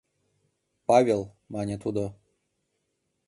— Павел, — мане тудо.